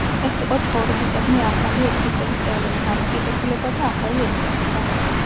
ეს იყო ცხოვრებისადმი ახალი ეგზისტენციალური დამოკიდებულება და ახალი ესთეტიკა.